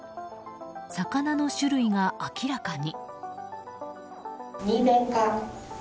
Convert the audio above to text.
魚の種類が明らかに。